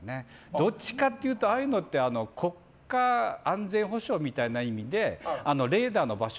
どっちかというと国家安全保障みたいな意味でレーダーの場所